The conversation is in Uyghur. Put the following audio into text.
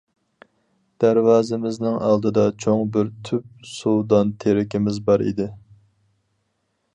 دەرۋازىمىزنىڭ ئالدىدا چوڭ بىر تۈپ سۇۋادان تېرىكىمىز بار ئىدى.